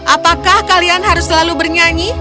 apakah kalian harus selalu bernyanyi